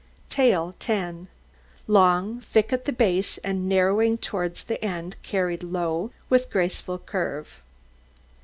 TAIL 10 Long, thick at the base and narrowing towards the end, carried low, with graceful curve.